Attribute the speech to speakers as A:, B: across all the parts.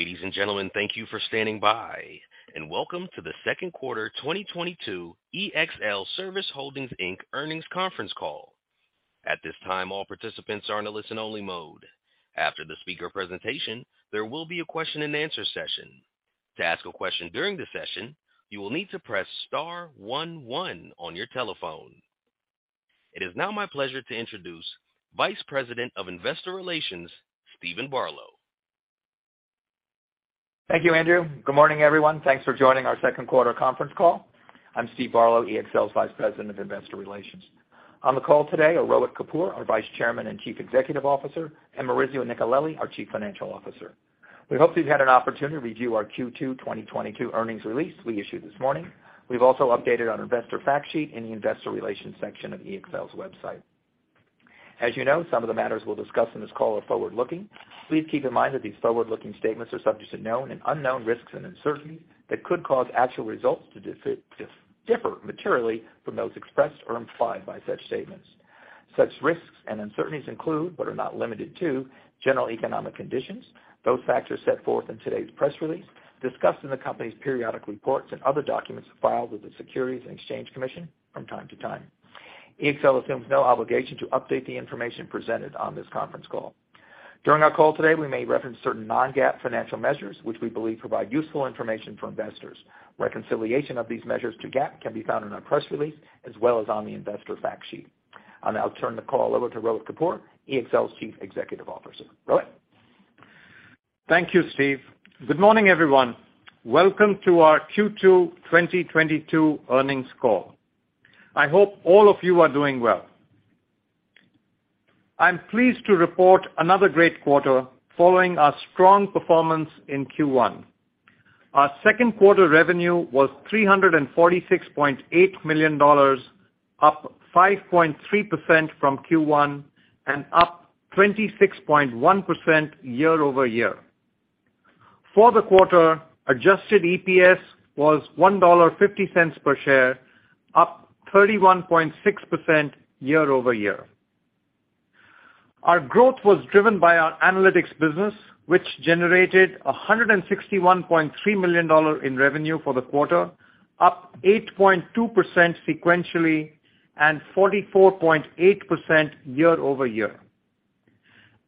A: Ladies and gentlemen, thank you for standing by, and welcome to the second quarter 2022 EXL Service Holdings, Inc. earnings conference call. At this time, all participants are in a listen-only mode. After the speaker presentation, there will be a question and answer session. To ask a question during the session, you will need to press star one one on your telephone. It is now my pleasure to introduce Vice President of Investor Relations, Steven Barlow.
B: Thank you, Andrew. Good morning, everyone. Thanks for joining our second quarter conference call. I'm Steve Barlow, EXL's Vice President of Investor Relations. On the call today are Rohit Kapoor, our Vice Chairman and Chief Executive Officer, and Maurizio Nicolelli, our Chief Financial Officer. We hope you've had an opportunity to review our Q2 2022 earnings release we issued this morning. We've also updated our investor fact sheet in the investor relations section of EXL's website. As you know, some of the matters we'll discuss in this call are forward-looking. Please keep in mind that these forward-looking statements are subject to known and unknown risks and uncertainties that could cause actual results to differ materially from those expressed or implied by such statements. Such risks and uncertainties include, but are not limited to, general economic conditions. Those facts are set forth in today's press release, discussed in the company's periodic reports and other documents filed with the Securities and Exchange Commission from time to time. EXL assumes no obligation to update the information presented on this conference call. During our call today, we may reference certain non-GAAP financial measures which we believe provide useful information for investors. Reconciliation of these measures to GAAP can be found in our press release as well as on the investor fact sheet. I'll now turn the call over to Rohit Kapoor, EXL's Chief Executive Officer. Rohit.
C: Thank you, Steve. Good morning, everyone. Welcome to our Q2 2022 earnings call. I hope all of you are doing well. I'm pleased to report another great quarter following our strong performance in Q1. Our second quarter revenue was $346.8 million, up 5.3% from Q1 and up 26.1% year-over-year. For the quarter, adjusted EPS was $1.50 per share, up 31.6% year-over-year. Our growth was driven by our analytics business, which generated $161.3 million in revenue for the quarter, up 8.2% sequentially and 44.8% year-over-year.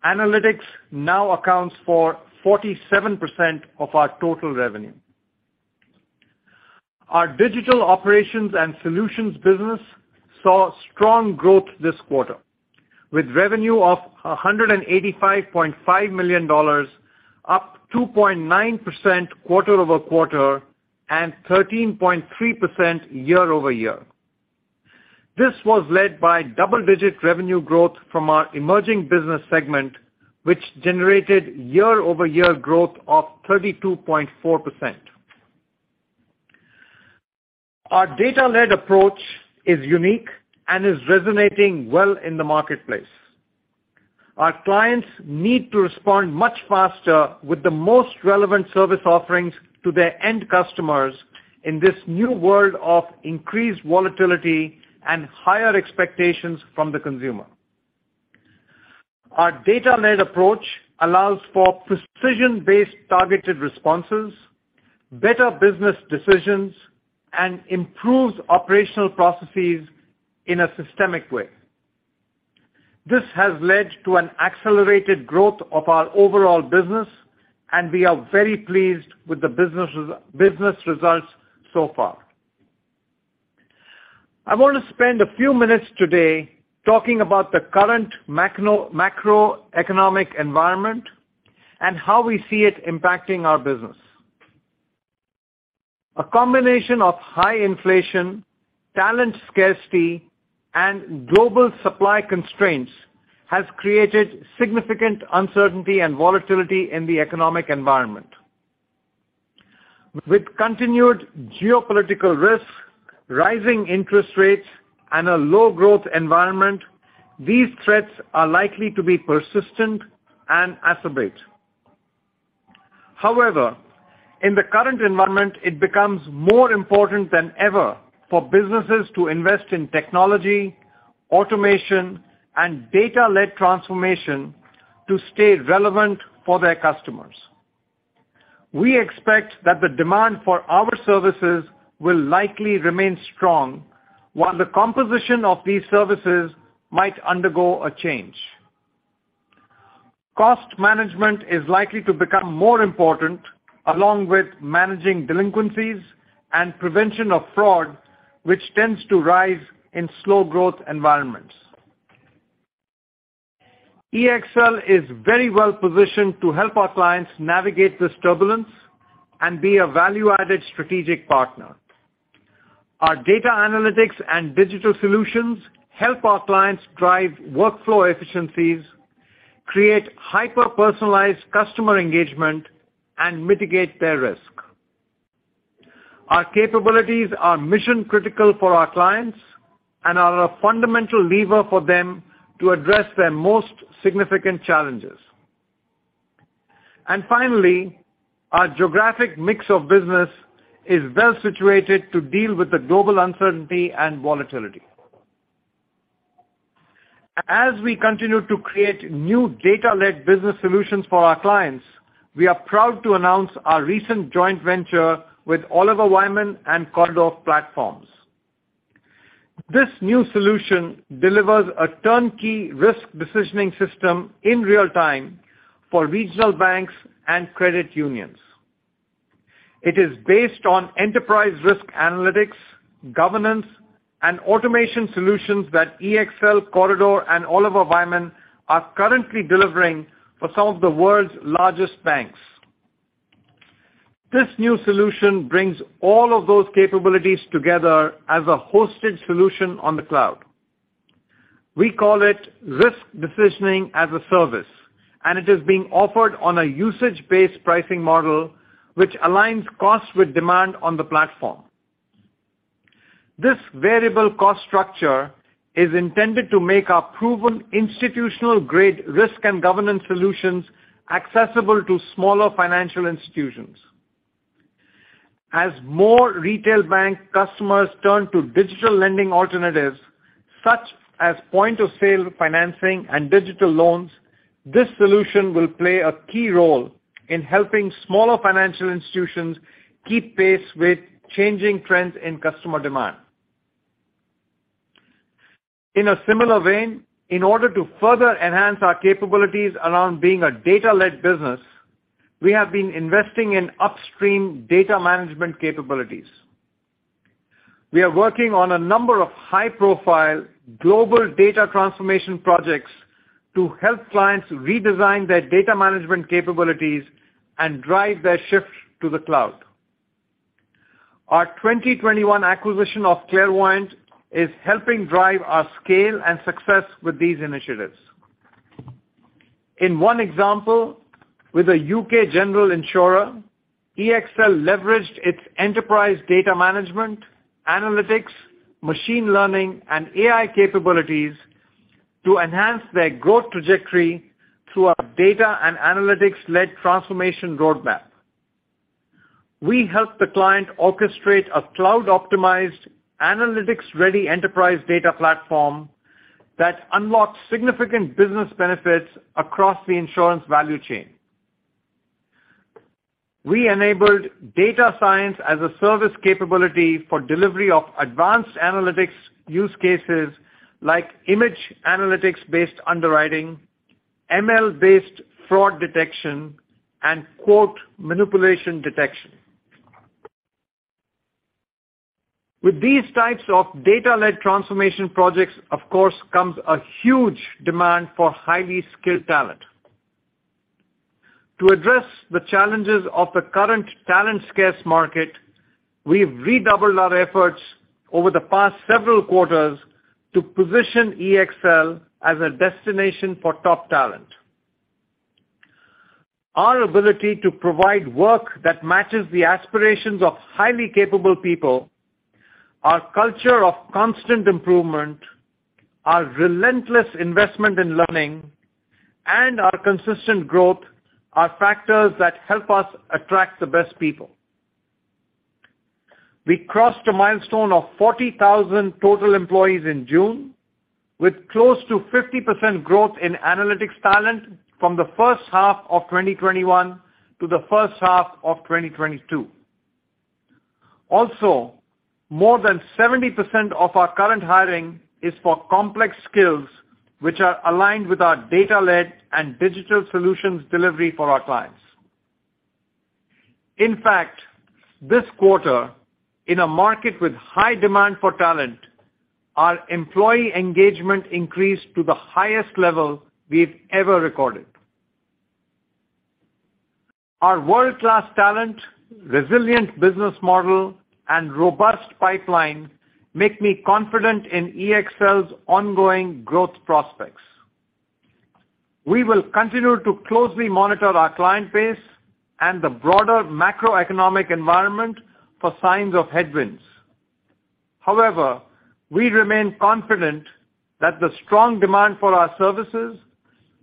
C: Analytics now accounts for 47% of our total revenue. Our Digital Operations and Solutions business saw strong growth this quarter, with revenue of $185.5 million, up 2.9% quarter-over-quarter and 13.3% year-over-year. This was led by double-digit revenue growth from our emerging business segment, which generated year-over-year growth of 32.4%. Our data-led approach is unique and is resonating well in the marketplace. Our clients need to respond much faster with the most relevant service offerings to their end customers in this new world of increased volatility and higher expectations from the consumer. Our data-led approach allows for precision-based targeted responses, better business decisions, and improves operational processes in a systemic way. This has led to an accelerated growth of our overall business, and we are very pleased with the business results so far. I wanna spend a few minutes today talking about the current macroeconomic environment and how we see it impacting our business. A combination of high inflation, talent scarcity, and global supply constraints has created significant uncertainty and volatility in the economic environment. With continued geopolitical risks, rising interest rates, and a low growth environment, these threats are likely to be persistent and exacerbate. However, in the current environment, it becomes more important than ever for businesses to invest in technology, automation, and data-led transformation to stay relevant for their customers. We expect that the demand for our services will likely remain strong while the composition of these services might undergo a change. Cost management is likely to become more important along with managing delinquencies and prevention of fraud, which tends to rise in slow growth environments. EXL is very well-positioned to help our clients navigate this turbulence and be a value-added strategic partner. Our data analytics and digital solutions help our clients drive workflow efficiencies, create hyper-personalized customer engagement, and mitigate their risk. Our capabilities are mission-critical for our clients and are a fundamental lever for them to address their most significant challenges. Finally, our geographic mix of business is well situated to deal with the global uncertainty and volatility. As we continue to create new data-led business solutions for our clients, we are proud to announce our recent joint venture with Oliver Wyman and Corridor Platforms. This new solution delivers a turnkey risk decisioning system in real time for regional banks and credit unions. It is based on enterprise risk analytics, governance, and automation solutions that EXL, Corridor, and Oliver Wyman are currently delivering for some of the world's largest banks. This new solution brings all of those capabilities together as a hosted solution on the cloud. We call it Risk Decisioning-as-a-Service, and it is being offered on a usage-based pricing model which aligns cost with demand on the platform. This variable cost structure is intended to make our proven institutional-grade risk and governance solutions accessible to smaller financial institutions. As more retail bank customers turn to digital lending alternatives, such as point-of-sale financing and digital loans, this solution will play a key role in helping smaller financial institutions keep pace with changing trends in customer demand. In a similar vein, in order to further enhance our capabilities around being a data-led business, we have been investing in upstream data management capabilities. We are working on a number of high-profile global data transformation projects to help clients redesign their data management capabilities and drive their shift to the cloud. Our 2021 acquisition of Clairvoyant is helping drive our scale and success with these initiatives. In one example, with a U.K. general insurer, EXL leveraged its enterprise data management, analytics, machine learning, and AI capabilities to enhance their growth trajectory through our data and analytics-led transformation roadmap. We helped the client orchestrate a cloud-optimized, analytics-ready enterprise data platform that unlocks significant business benefits across the insurance value chain. We enabled data science as a service capability for delivery of advanced analytics use cases like image analytics-based underwriting, ML-based fraud detection, and quote manipulation detection. With these types of data-led transformation projects, of course, comes a huge demand for highly skilled talent. To address the challenges of the current talent-scarce market, we've redoubled our efforts over the past several quarters to position EXL as a destination for top talent. Our ability to provide work that matches the aspirations of highly capable people, our culture of constant improvement, our relentless investment in learning, and our consistent growth are factors that help us attract the best people. We crossed a milestone of 40,000 total employees in June, with close to 50% growth in analytics talent from the first half of 2021 to the first half of 2022. Also, more than 70% of our current hiring is for complex skills, which are aligned with our data-led and digital solutions delivery for our clients. In fact, this quarter, in a market with high demand for talent, our employee engagement increased to the highest level we've ever recorded. Our world-class talent, resilient business model, and robust pipeline make me confident in EXL's ongoing growth prospects. We will continue to closely monitor our client base and the broader macroeconomic environment for signs of headwinds. However, we remain confident that the strong demand for our services,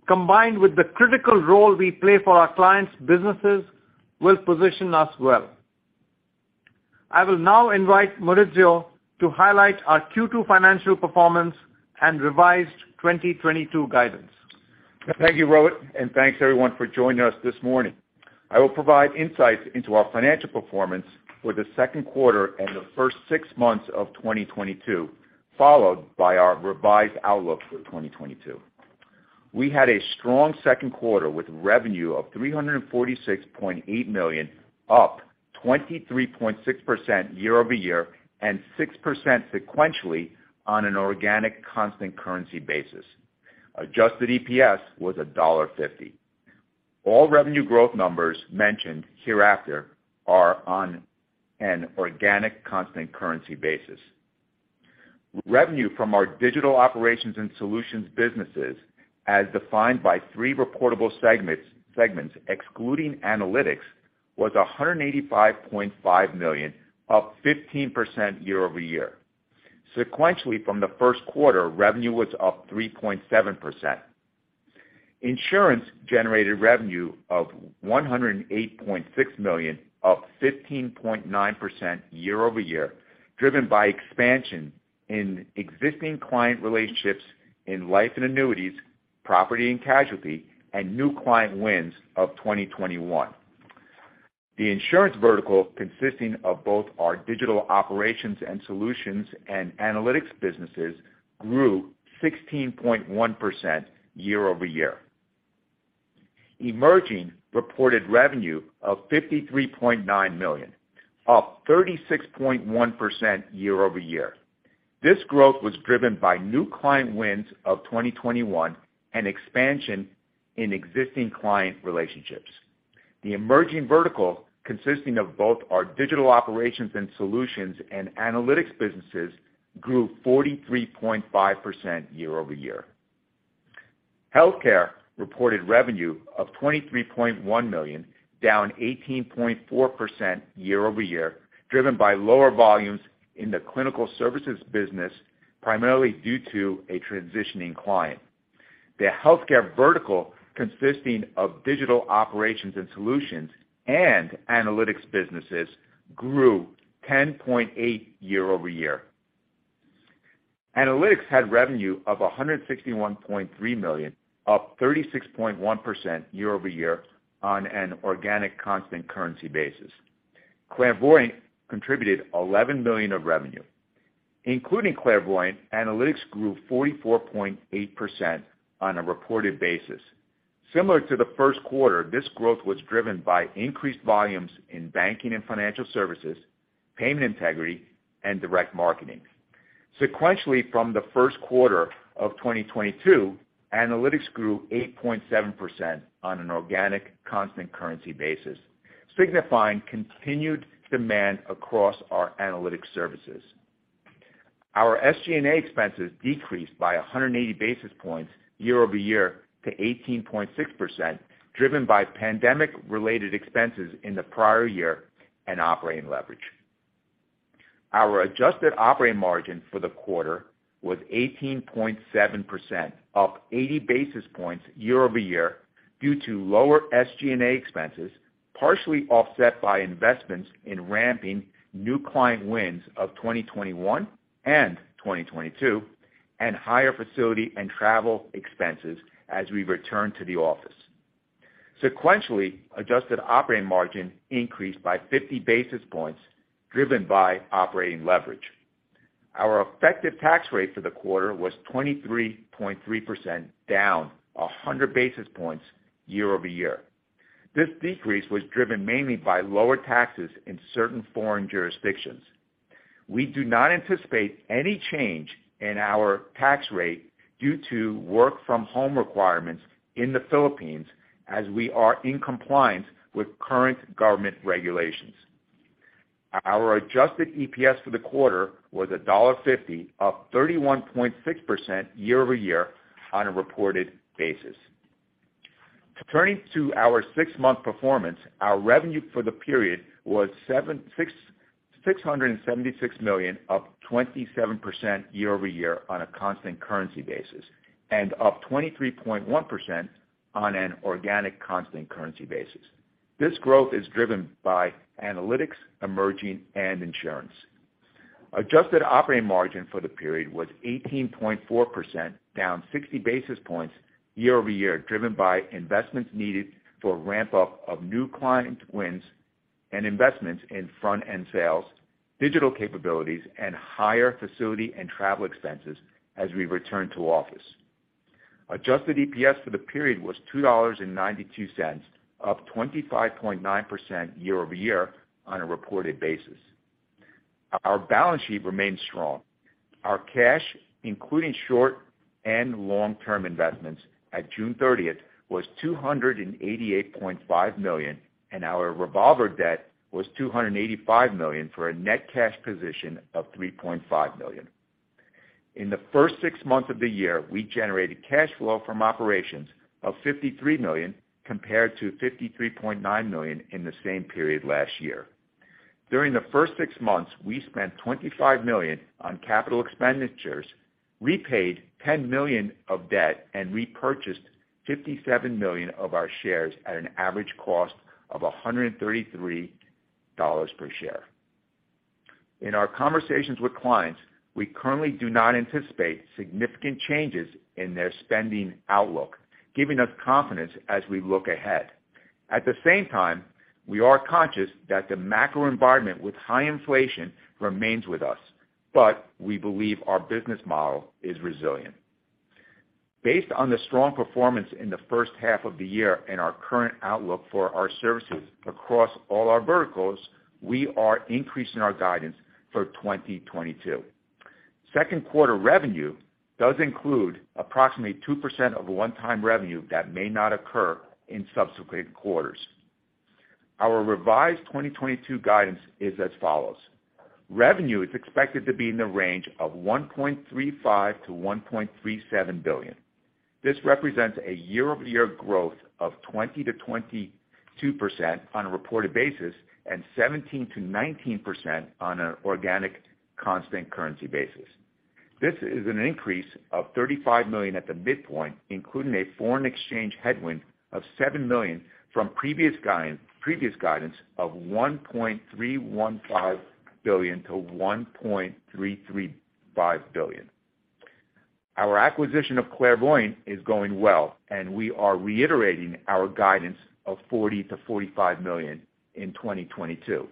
C: combined with the critical role we play for our clients' businesses, will position us well. I will now invite Maurizio to highlight our Q2 financial performance and revised 2022 guidance.
D: Thank you, Rohit, and thanks everyone for joining us this morning. I will provide insights into our financial performance for the second quarter and the first six months of 2022, followed by our revised outlook for 2022. We had a strong second quarter, with revenue of $346.8 million, up 23.6% year-over-year and 6% sequentially on an organic constant currency basis. Adjusted EPS was $1.50. All revenue growth numbers mentioned hereafter are on an organic constant currency basis. Revenue from our Digital Operations and Solutions businesses, as defined by three reportable segments, excluding analytics, was $185.5 million, up 15% year-over-year. Sequentially from the first quarter, revenue was up 3.7%. Insurance generated revenue of $108.6 million, up 15.9% year-over-year, driven by expansion in existing client relationships in life and annuities, property and casualty, and new client wins of 2021. The insurance vertical, consisting of both our Digital Operations and Solutions and Analytics businesses, grew 16.1% year-over-year. Emerging reported revenue of $53.9 million, up 36.1% year-over-year. This growth was driven by new client wins of 2021 and expansion in existing client relationships. The Emerging vertical, consisting of both our Digital Operations and Solutions and Analytics businesses, grew 43.5% year-over-year. Healthcare reported revenue of $23.1 million, down 18.4% year-over-year, driven by lower volumes in the clinical services business, primarily due to a transitioning client. The healthcare vertical, consisting of Digital Operations and Solutions and analytics businesses, grew 10.8% year-over-year. Analytics had revenue of $161.3 million, up 36.1% year-over-year on an organic constant currency basis. Clairvoyant contributed $11 million of revenue. Including Clairvoyant, analytics grew 44.8% on a reported basis. Similar to the first quarter, this growth was driven by increased volumes in banking and financial services, payment integrity, and direct marketing. Sequentially, from the first quarter of 2022, analytics grew 8.7% on an organic constant currency basis, signifying continued demand across our analytic services. Our SG&A expenses decreased by 180 basis points year-over-year to 18.6%, driven by pandemic-related expenses in the prior year and operating leverage. Our adjusted operating margin for the quarter was 18.7%, up 80 basis points year-over-year due to lower SG&A expenses, partially offset by investments in ramping new client wins of 2021 and 2022, and higher facility and travel expenses as we return to the office. Sequentially, adjusted operating margin increased by 50 basis points driven by operating leverage. Our effective tax rate for the quarter was 23.3%, down 100 basis points year-over-year. This decrease was driven mainly by lower taxes in certain foreign jurisdictions. We do not anticipate any change in our tax rate due to work from home requirements in the Philippines as we are in compliance with current government regulations. Our adjusted EPS for the quarter was $1.50, up 31.6% year-over-year on a reported basis. Turning to our six-month performance, our revenue for the period was $676 million, up 27% year-over-year on a constant currency basis, and up 23.1% on an organic constant currency basis. This growth is driven by analytics, emerging, and insurance. Adjusted operating margin for the period was 18.4%, down 60 basis points year-over-year, driven by investments needed for ramp-up of new client wins and investments in front-end sales, digital capabilities, and higher facility and travel expenses as we return to office. Adjusted EPS for the period was $2.92, up 25.9% year-over-year on a reported basis. Our balance sheet remains strong. Our cash, including short- and long-term investments at June 30th, was $288.5 million, and our revolver debt was $285 million for a net cash position of $3.5 million. In the first six months of the year, we generated cash flow from operations of $53 million, compared to $53.9 million in the same period last year. During the first six months, we spent $25 million on capital expenditures, repaid $10 million of debt, and repurchased $57 million of our shares at an average cost of $133 per share. In our conversations with clients, we currently do not anticipate significant changes in their spending outlook, giving us confidence as we look ahead. At the same time, we are conscious that the macro environment with high inflation remains with us, but we believe our business model is resilient. Based on the strong performance in the first half of the year and our current outlook for our services across all our verticals, we are increasing our guidance for 2022. Second quarter revenue does include approximately 2% of one-time revenue that may not occur in subsequent quarters. Our revised 2022 guidance is as follows. Revenue is expected to be in the range of $1.35 billion-$1.37 billion. This represents a year-over-year growth of 20%-22% on a reported basis and 17%-19% on an organic constant currency basis. This is an increase of $35 million at the midpoint, including a foreign exchange headwind of $7 million from previous guide, previous guidance of $1.315 billion-$1.335 billion. Our acquisition of Clairvoyant is going well, and we are reiterating our guidance of $40 million-$45 million in 2022.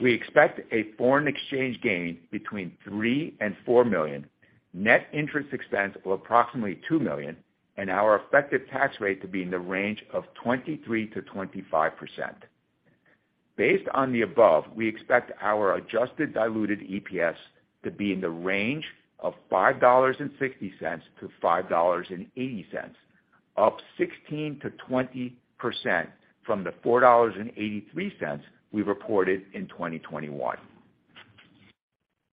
D: We expect a foreign exchange gain between $3 million-$4 million, net interest expense of approximately $2 million, and our effective tax rate to be in the range of 23%-25%. Based on the above, we expect our adjusted diluted EPS to be in the range of $5.60-$5.80, up 16%-20% from the $4.83 we reported in 2021.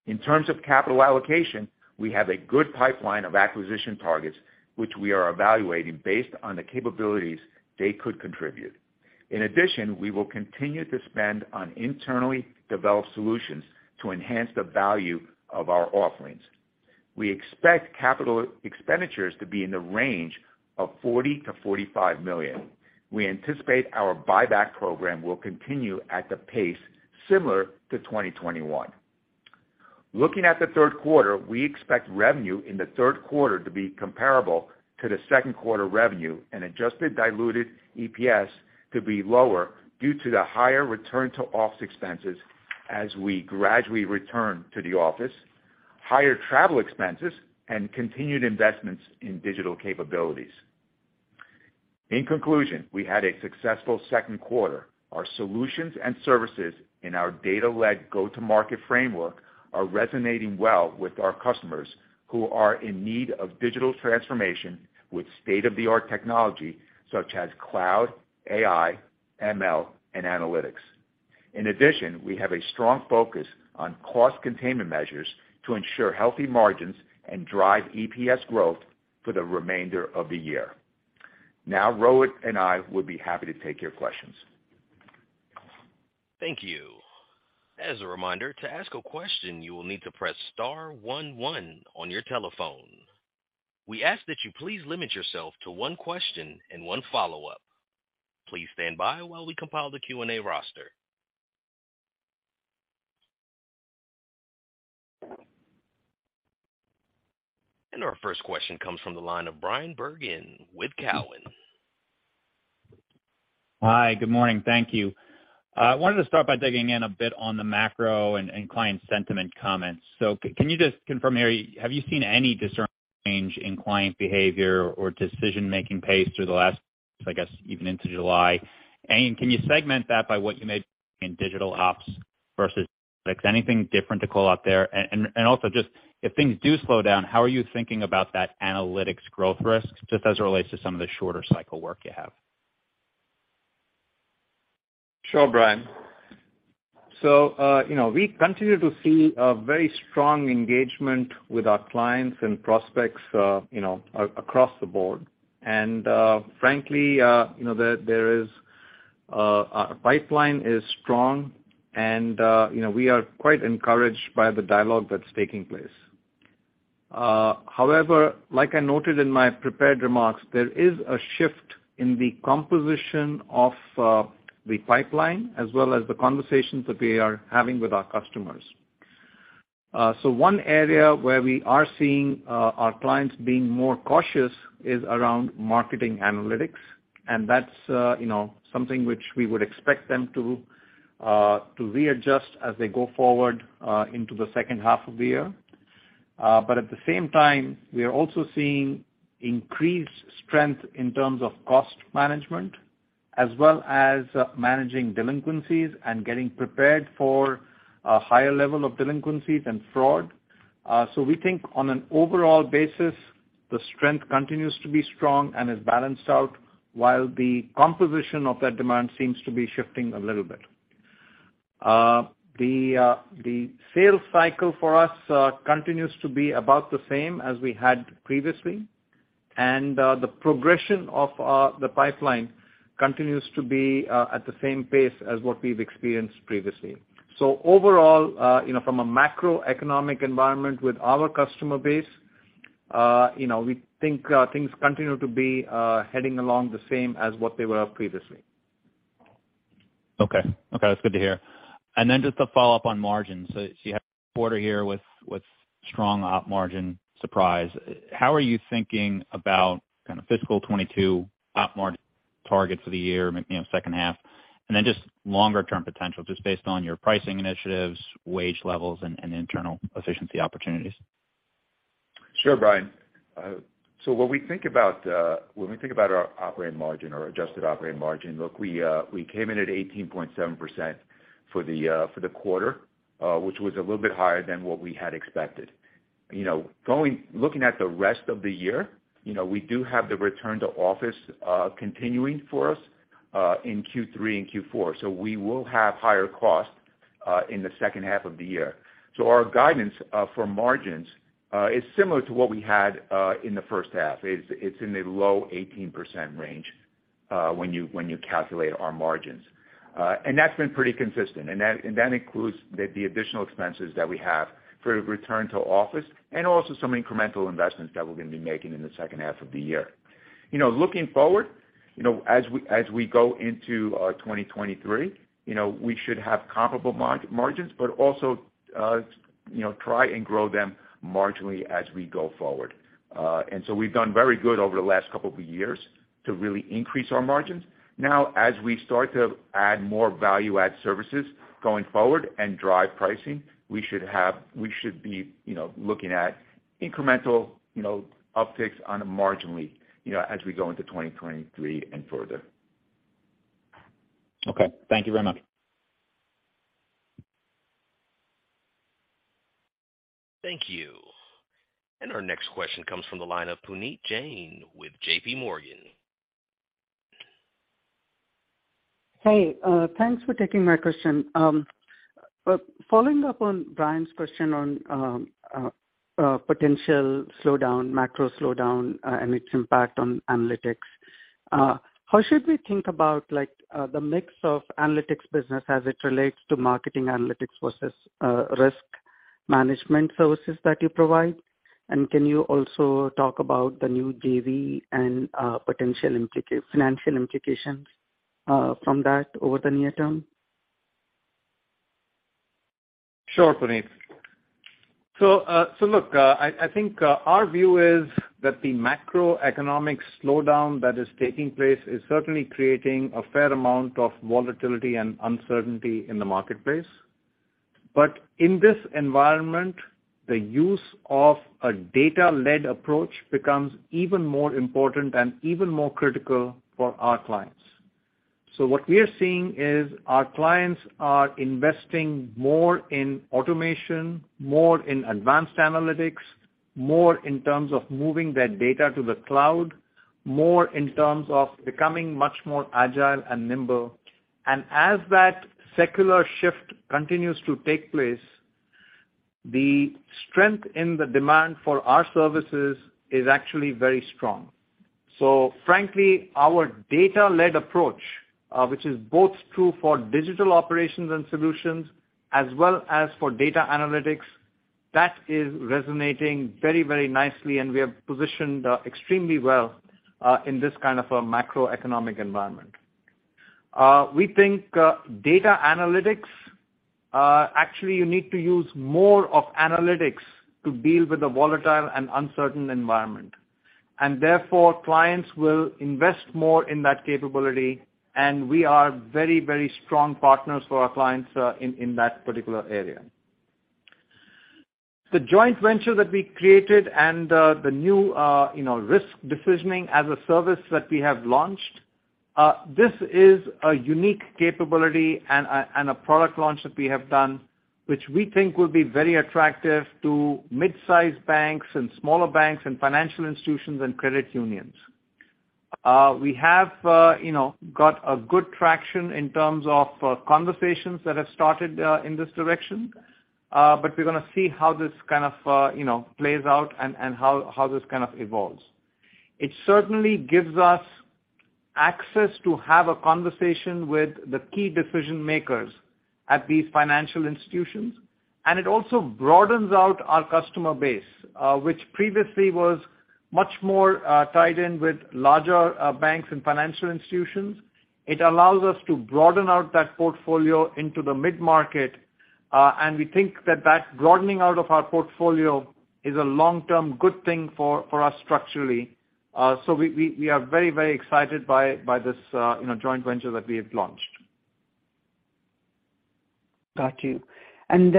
D: In terms of capital allocation, we have a good pipeline of acquisition targets which we are evaluating based on the capabilities they could contribute. In addition, we will continue to spend on internally developed solutions to enhance the value of our offerings. We expect capital expenditures to be in the range of $40 million-$45 million. We anticipate our buyback program will continue at the pace similar to 2021. Looking at the third quarter, we expect revenue in the third quarter to be comparable to the second quarter revenue and adjusted diluted EPS to be lower due to the higher return to office expenses as we gradually return to the office, higher travel expenses, and continued investments in digital capabilities. In conclusion, we had a successful second quarter. Our solutions and services in our data-led go-to-market framework are resonating well with our customers who are in need of digital transformation with state-of-the-art technology such as cloud, AI, ML, and analytics. In addition, we have a strong focus on cost containment measures to ensure healthy margins and drive EPS growth for the remainder of the year. Now Rohit and I would be happy to take your questions.
A: Thank you. As a reminder, to ask a question, you will need to press star one one on your telephone. We ask that you please limit yourself to one question and one follow-up. Please stand by while we compile the Q&A roster. Our first question comes from the line of Bryan Bergin with Cowen.
E: Hi, good morning. Thank you. I wanted to start by digging in a bit on the macro and client sentiment comments. Can you just confirm here, have you seen any discernible change in client behavior or decision-making pace through the last, I guess, even into July? Can you segment that by what you may in digital ops versus anything different to call out there? Also just if things do slow down, how are you thinking about that analytics growth risk just as it relates to some of the shorter cycle work you have?
C: Sure, Bryan. So, you know, we continue to see a very strong engagement with our clients and prospects, you know, across the board. Frankly, you know, there is our pipeline is strong and, you know, we are quite encouraged by the dialogue that's taking place. However, like I noted in my prepared remarks, there is a shift in the composition of the pipeline as well as the conversations that we are having with our customers. One area where we are seeing our clients being more cautious is around marketing analytics, and that's, you know, something which we would expect them to readjust as they go forward into the second half of the year. At the same time, we are also seeing increased strength in terms of cost management as well as managing delinquencies and getting prepared for a higher level of delinquencies and fraud. We think on an overall basis, the strength continues to be strong and is balanced out while the composition of that demand seems to be shifting a little bit. The sales cycle for us continues to be about the same as we had previously. The progression of the pipeline continues to be at the same pace as what we've experienced previously. Overall, you know, from a macroeconomic environment with our customer base, you know, we think things continue to be heading along the same as what they were previously.
E: Okay. Okay, that's good to hear. Just to follow up on margins. You have a quarter here with strong op margin surprise. How are you thinking about kind of fiscal 2022 op margin targets for the year, you know, second half? Just longer term potential just based on your pricing initiatives, wage levels, and internal efficiency opportunities.
D: Sure, Bryan. So what we think about when we think about our operating margin or adjusted operating margin, look, we came in at 18.7% for the quarter, which was a little bit higher than what we had expected. You know, looking at the rest of the year, you know, we do have the return to office continuing for us in Q3 and Q4. We will have higher costs in the second half of the year. Our guidance for margins is similar to what we had in the first half. It's in the low 18% range. When you calculate our margins. That's been pretty consistent, and that includes the additional expenses that we have for return to office and also some incremental investments that we're gonna be making in the second half of the year. You know, looking forward, you know, as we go into 2023, you know, we should have comparable margins, but also, you know, try and grow them marginally as we go forward. We've done very good over the last couple of years to really increase our margins. Now, as we start to add more value-add services going forward and drive pricing, we should be, you know, looking at incremental, you know, upticks on a marginally, you know, as we go into 2023 and further.
E: Okay. Thank you very much.
A: Thank you. Our next question comes from the line of Puneet Jain with J.P. Morgan.
F: Hey, thanks for taking my question. Following up on Bryan's question on potential slowdown, macro slowdown, and its impact on analytics, how should we think about like the mix of analytics business as it relates to marketing analytics versus risk management services that you provide? Can you also talk about the new JV and potential financial implications from that over the near term?
C: Sure, Puneet. Look, I think our view is that the macroeconomic slowdown that is taking place is certainly creating a fair amount of volatility and uncertainty in the marketplace. In this environment, the use of a data-led approach becomes even more important and even more critical for our clients. What we are seeing is our clients are investing more in automation, more in advanced analytics, more in terms of moving their data to the cloud, more in terms of becoming much more agile and nimble. As that secular shift continues to take place, the strength in the demand for our services is actually very strong. Frankly, our data-led approach, which is both true for Digital Operations and Solutions as well as for Data Analytics, that is resonating very, very nicely, and we are positioned extremely well in this kind of a macroeconomic environment. We think, data analytics, actually you need to use more of analytics to deal with the volatile and uncertain environment. Therefore, clients will invest more in that capability, and we are very, very strong partners for our clients in that particular area. The joint venture that we created and the new, you know, Risk Decisioning-as-a-Service that we have launched, this is a unique capability and a product launch that we have done which we think will be very attractive to mid-size banks and smaller banks and financial institutions and credit unions. We have, you know, got a good traction in terms of conversations that have started in this direction, but we're gonna see how this kind of, you know, plays out and how this kind of evolves. It certainly gives us access to have a conversation with the key decision-makers at these financial institutions, and it also broadens out our customer base, which previously was much more tied in with larger banks and financial institutions. It allows us to broaden out that portfolio into the mid-market, and we think that that broadening out of our portfolio is a long-term good thing for us structurally. We are very excited by this, you know, joint venture that we have launched.
F: Got you. On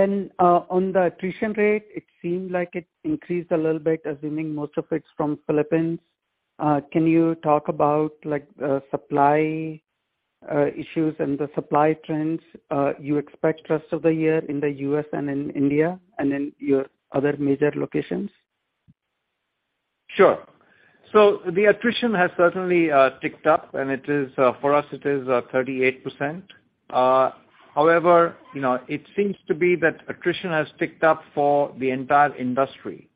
F: the attrition rate, it seemed like it increased a little bit, assuming most of it's from Philippines. Can you talk about like the supply issues and the supply trends you expect rest of the year in the U.S. and in India and in your other major locations?
C: Sure. The attrition has certainly ticked up, and it is for us 38%. However, you know, it seems to be that attrition has ticked up for the entire industry.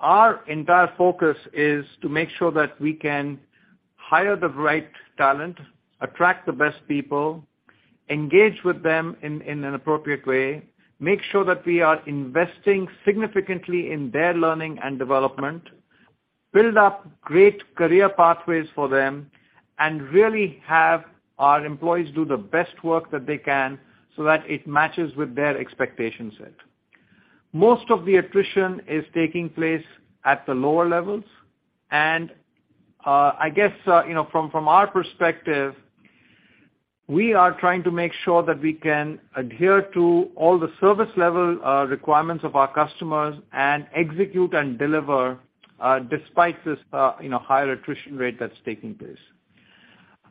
C: Our entire focus is to make sure that we can hire the right talent, attract the best people, engage with them in an appropriate way, make sure that we are investing significantly in their learning and development, build up great career pathways for them, and really have our employees do the best work that they can so that it matches with their expectation set. Most of the attrition is taking place at the lower levels, and I guess you know from our perspective we are trying to make sure that we can adhere to all the service level requirements of our customers and execute and deliver despite this you know higher attrition rate that's taking place.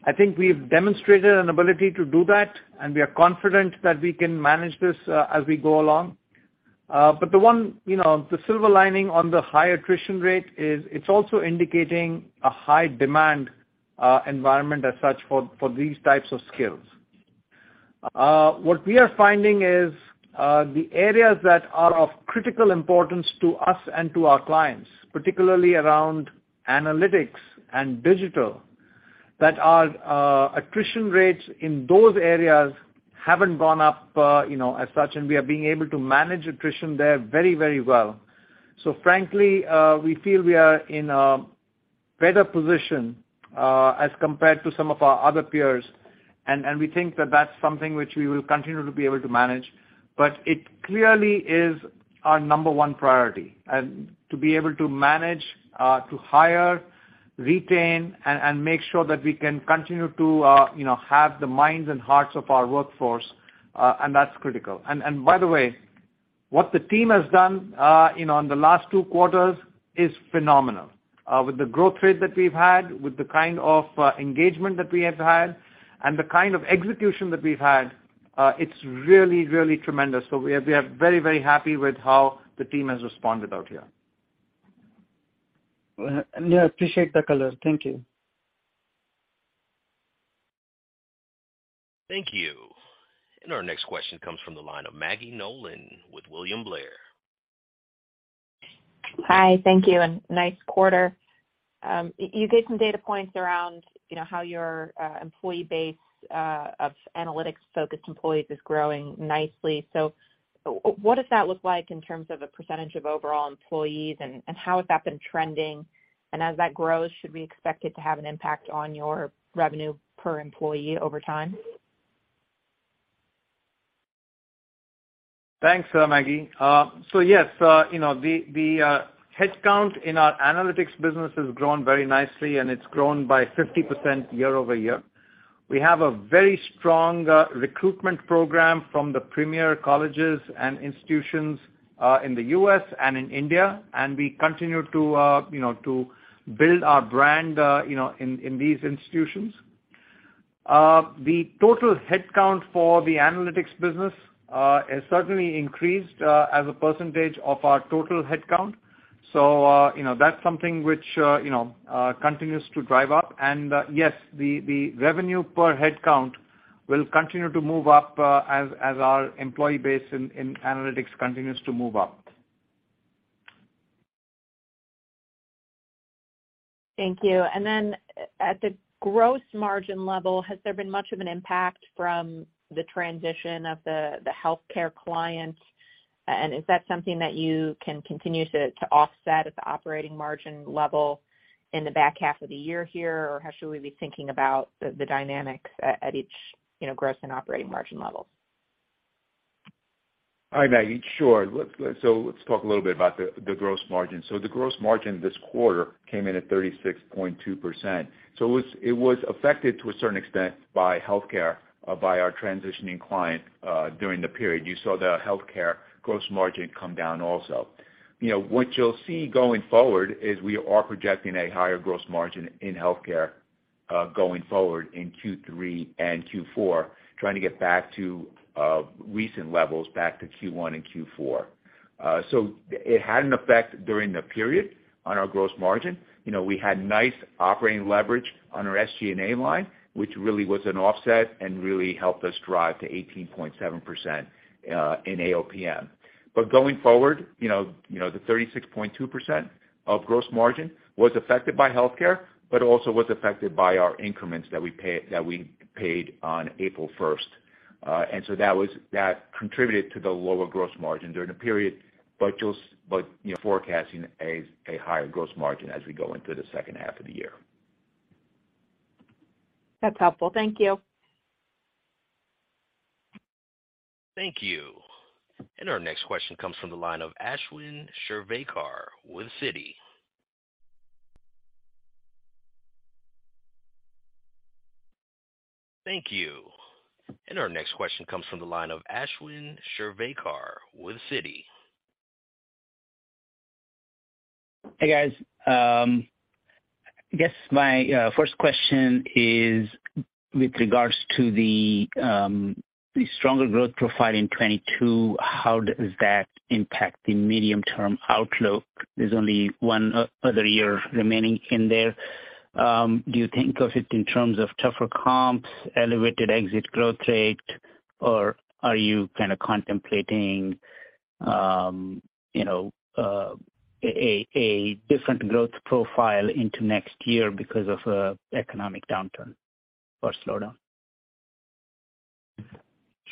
C: I think we've demonstrated an ability to do that, and we are confident that we can manage this as we go along. The one, you know, the silver lining on the high attrition rate is it's also indicating a high demand environment as such for these types of skills. What we are finding is, the areas that are of critical importance to us and to our clients, particularly around analytics and digital, that our attrition rates in those areas haven't gone up, you know, as such, and we are being able to manage attrition there very, very well. Frankly, we feel we are in a better position, as compared to some of our other peers, and we think that that's something which we will continue to be able to manage. It clearly is our number one priority to be able to manage to hire, retain and make sure that we can continue to you know have the minds and hearts of our workforce and that's critical. By the way, what the team has done you know in the last two quarters is phenomenal. With the growth rate that we've had, with the kind of engagement that we have had and the kind of execution that we've had, it's really, really tremendous. We are very, very happy with how the team has responded out here.
F: Well, yeah, appreciate the color. Thank you.
A: Thank you. Our next question comes from the line of Maggie Nolan with William Blair.
G: Hi. Thank you, and nice quarter. You gave some data points around, you know, how your employee base of analytics-focused employees is growing nicely. What does that look like in terms of a percentage of overall employees? How has that been trending? As that grows, should we expect it to have an impact on your revenue per employee over time?
C: Thanks, Maggie. Yes, you know, the headcount in our analytics business has grown very nicely, and it's grown by 50% year-over-year. We have a very strong recruitment program from the premier colleges and institutions in the U.S. and in India, and we continue to you know to build our brand you know in these institutions. The total headcount for the analytics business has certainly increased as a percentage of our total headcount. You know, that's something which you know continues to drive up. Yes, the revenue per headcount will continue to move up as our employee base in analytics continues to move up.
G: Thank you. At the gross margin level, has there been much of an impact from the transition of the healthcare client? Is that something that you can continue to offset at the operating margin level in the back half of the year here? How should we be thinking about the dynamics at each, you know, gross and operating margin level?
D: Hi, Maggie. Sure. Let's talk a little bit about the gross margin. The gross margin this quarter came in at 36.2%. It was affected to a certain extent by healthcare, by our transitioning client, during the period. You saw the healthcare gross margin come down also. You know, what you'll see going forward is we are projecting a higher gross margin in healthcare, going forward in Q3 and Q4, trying to get back to recent levels, back to Q1 and Q4. It had an effect during the period on our gross margin. You know, we had nice operating leverage on our SG&A line, which really was an offset and really helped us drive to 18.7% in ALPM. Going forward, you know, the 36.2% gross margin was affected by healthcare, but also was affected by our increments that we paid on April first. That contributed to the lower gross margin during the period. You know, forecasting a higher gross margin as we go into the second half of the year.
G: That's helpful. Thank you.
A: Thank you. Our next question comes from the line of Ashwin Shirvaikar with Citi.
H: Hey, guys. I guess my first question is with regards to the stronger growth profile in 2022, how does that impact the medium-term outlook? There's only one other year remaining in there. Do you think of it in terms of tougher comps, elevated exit growth rate, or are you kind of contemplating a different growth profile into next year because of economic downturn or slowdown?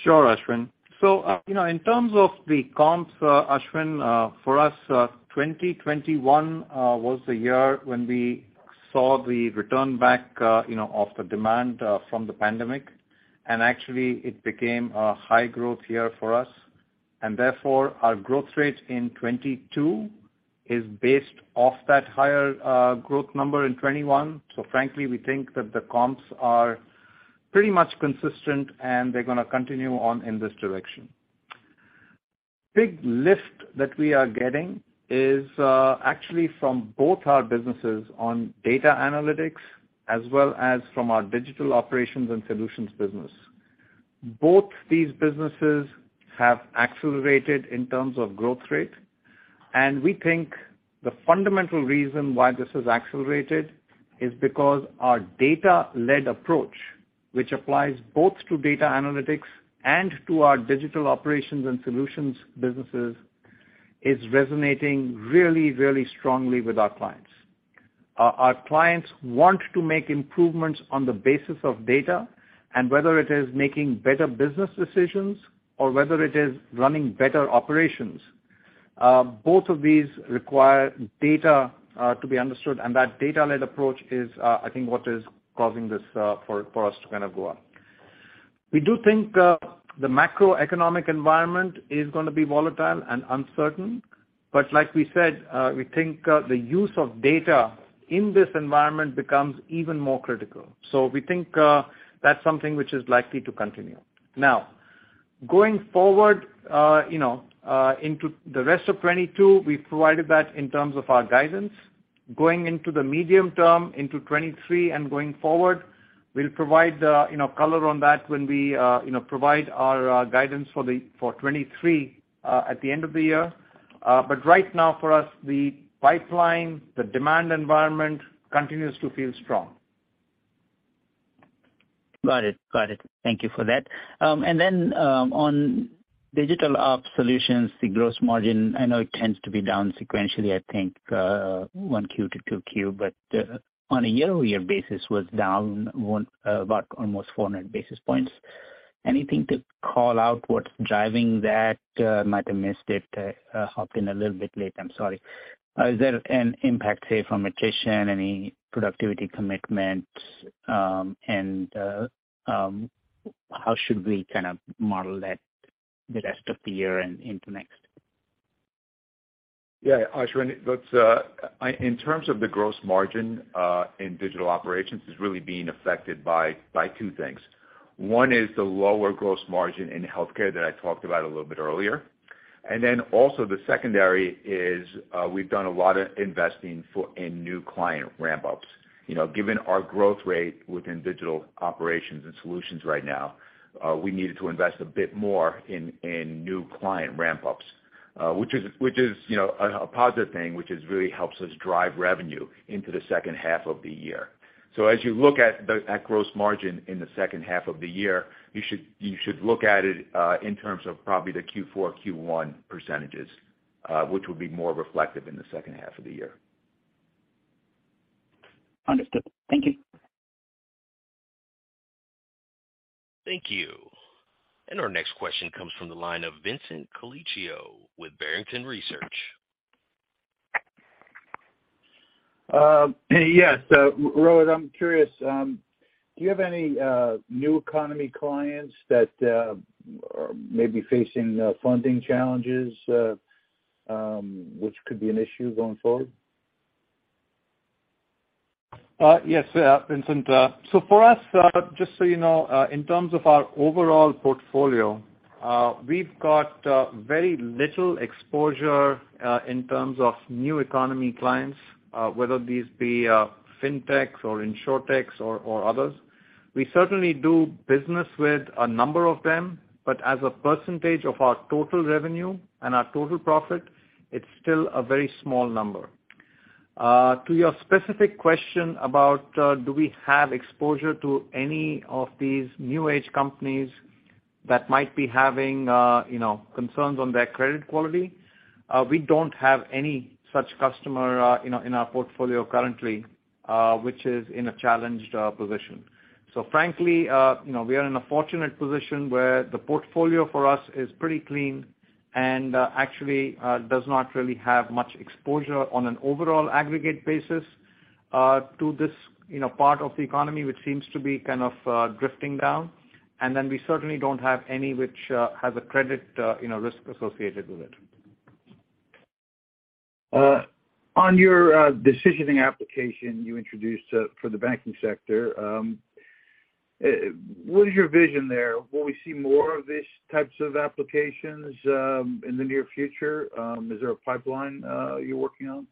C: Sure, Ashwin. You know, in terms of the comps, Ashwin, for us, 2021 was the year when we saw the return back, you know, of the demand from the pandemic. Actually it became a high growth year for us. Therefore our growth rate in 2022 is based off that higher growth number in 2021. Frankly, we think that the comps are pretty much consistent, and they're gonna continue on in this direction. Big lift that we are getting is actually from both our businesses on Data Analytics as well as from our Digital Operations and Solutions business. Both these businesses have accelerated in terms of growth rate. We think the fundamental reason why this has accelerated is because our data-led approach, which applies both to Data Analytics and to our Digital Operations and Solutions businesses, is resonating really, really strongly with our clients. Our clients want to make improvements on the basis of data, and whether it is making better business decisions or whether it is running better operations. Both of these require data to be understood, and that data-led approach is, I think, what is causing this for us to kind of go up. We do think the macroeconomic environment is gonna be volatile and uncertain, but like we said, we think the use of data in this environment becomes even more critical. We think that's something which is likely to continue. Now, going forward, you know, into the rest of 2022, we've provided that in terms of our guidance. Going into the medium term, into 2023 and going forward, we'll provide, you know, color on that when we, you know, provide our, guidance for 2023, at the end of the year. Right now for us, the pipeline, the demand environment continues to feel strong.
H: Got it. Thank you for that. On Digital Ops Solutions, the gross margin, I know it tends to be down sequentially, I think, 1Q to 2Q. On a year-over-year basis was down about almost 400 basis points. Anything to call out what's driving that? I might have missed it. I hopped in a little bit late, I'm sorry. Is there an impact, say, from attrition, any productivity commitments, and how should we kind of model that the rest of the year and into next?
D: Yeah, Ashwin, in terms of the gross margin in Digital Operations, it's really being affected by two things. One is the lower gross margin in healthcare that I talked about a little bit earlier. Then also the secondary is, we've done a lot of investing in new client ramp-ups. You know, given our growth rate within Digital Operations and Solutions right now, we needed to invest a bit more in new client ramp-ups, which is a positive thing, which really helps us drive revenue into the second half of the year. As you look at gross margin in the second half of the year, you should look at it in terms of probably the Q4, Q1 percentages, which will be more reflective in the second half of the year.
H: Understood. Thank you.
A: Thank you. Our next question comes from the line of Vincent Colicchio with Barrington Research.
I: Yes. Rohit, I'm curious. Do you have any new economy clients that are maybe facing, which could be an issue going forward?
C: Yes, Vincent. For us, just so you know, in terms of our overall portfolio, we've got very little exposure in terms of new economy clients, whether these be fintechs or insurtechs or others. We certainly do business with a number of them, but as a percentage of our total revenue and our total profit, it's still a very small number. To your specific question about do we have exposure to any of these new age companies that might be having, you know, concerns on their credit quality, we don't have any such customer, you know, in our portfolio currently, which is in a challenged position. Frankly, you know, we are in a fortunate position where the portfolio for us is pretty clean and, actually, does not really have much exposure on an overall aggregate basis, to this, you know, part of the economy, which seems to be kind of drifting down. Then we certainly don't have any which has a credit, you know, risk associated with it.
I: On your decisioning application you introduced for the banking sector, what is your vision there? Will we see more of these types of applications in the near future? Is there a pipeline you're working on?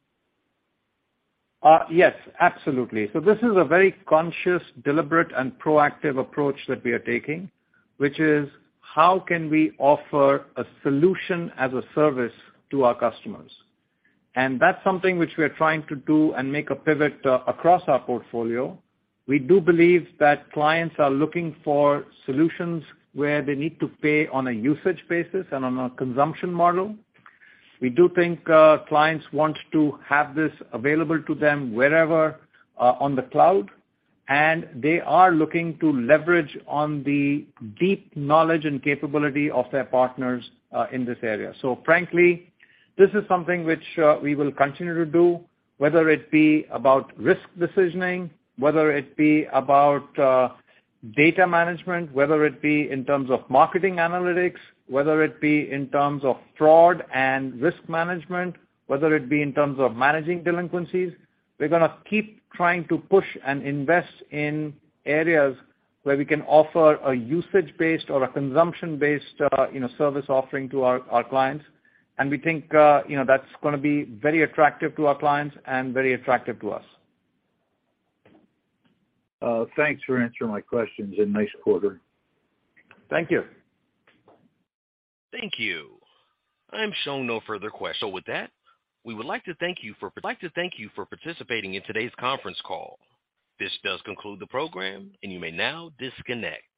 C: Yes, absolutely. This is a very conscious, deliberate, and proactive approach that we are taking, which is how can we offer a solution as a service to our customers? That's something which we are trying to do and make a pivot across our portfolio. We do believe that clients are looking for solutions where they need to pay on a usage basis and on a consumption model. We do think, clients want to have this available to them wherever, on the cloud, and they are looking to leverage on the deep knowledge and capability of their partners, in this area. Frankly, this is something which we will continue to do, whether it be about risk decisioning, whether it be about data management, whether it be in terms of marketing analytics, whether it be in terms of fraud and risk management, whether it be in terms of managing delinquencies. We're gonna keep trying to push and invest in areas where we can offer a usage-based or a consumption-based, you know, service offering to our clients. We think, you know, that's gonna be very attractive to our clients and very attractive to us.
I: Thanks for answering my questions and nice quarter.
C: Thank you.
A: Thank you. I'm showing no further questions. With that, we would like to thank you for participating in today's conference call. This does conclude the program, and you may now disconnect.